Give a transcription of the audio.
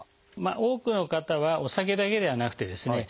多くの方はお酒だけではなくてですね